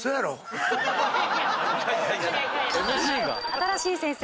新しい先生。